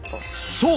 そう！